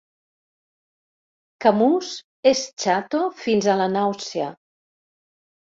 "Camús" és xato fins a La nàusea.